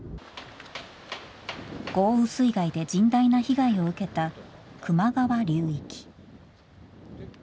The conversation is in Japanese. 豪雨水害で甚大な被害を受けた球磨川流域。